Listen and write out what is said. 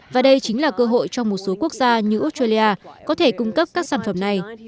và đây chính là cơ hội cho một số quốc gia như australia có thể cung cấp các sản phẩm này